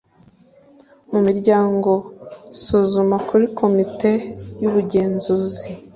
Muri iryo suzuma kuri komite y ubugenzuzi